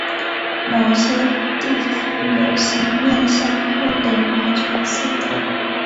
某些地区流行面向后的划船系统。